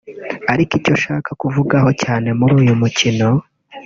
Ariko icyo nshaka kuvugaho cyane muri uyu mukino